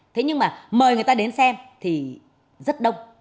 thế nhưng mà mời người ta đến xem thì rất đông